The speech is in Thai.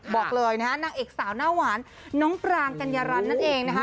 บอกเลยนะฮะนางเอกสาวหน้าหวานน้องปรางกัญญารันนั่นเองนะคะ